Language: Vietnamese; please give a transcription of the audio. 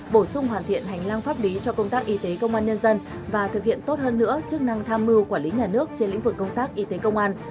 bổ sung hoàn thiện hành lang pháp lý cho công tác y tế công an nhân dân và thực hiện tốt hơn nữa chức năng tham mưu quản lý nhà nước trên lĩnh vực công tác y tế công an